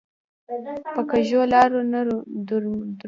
په کږو لارو نه درومي.